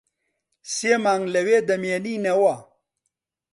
سێ مانگ لەوێ دەمێنینەوە.